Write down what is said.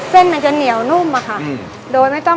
เส้นมันจะเหนียวนุ่มอ่ะค่ะ